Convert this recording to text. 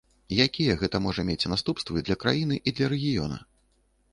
Якія гэта можа мець наступствы для краіны і для рэгіёна?